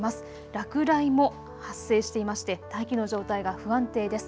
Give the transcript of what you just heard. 落雷も発生していまして大気の状態が不安定です。